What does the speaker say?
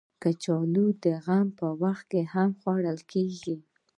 کچالو د غم په وخت هم خوړل کېږي